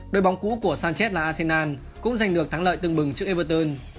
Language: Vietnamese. đội bóng cũ của sanchez là arsenal cũng giành được thắng lợi tương bừng trước everton